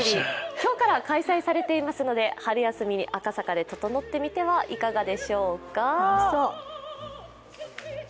今日から開催されていますので春休みに赤坂で、ととのってみてはいかがでしょうか？